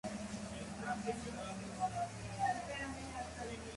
Este álbum cuenta con invitados como Fito Páez, Gabriel Carámbula y David Lebón.